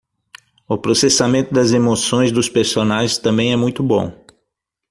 O processamento das emoções dos personagens também é muito bom